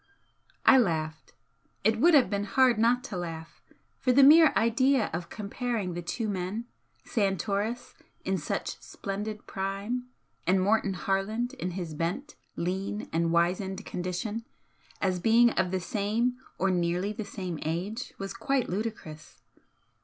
I laughed. It would have been hard not to laugh, for the mere idea of comparing the two men, Santoris in such splendid prime and Morton Harland in his bent, lean and wizened condition, as being of the same or nearly the same age was quite ludicrous.